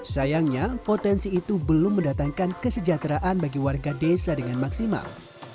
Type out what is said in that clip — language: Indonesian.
sayangnya potensi itu belum mendatangkan kesejahteraan bagi warga desa dengan maksimal